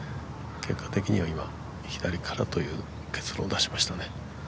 結果的には左からという結論を出しましたね。